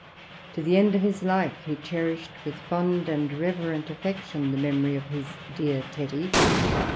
To the end of his life he cherished with fond and reverent affection the memory of his "dear Tetty."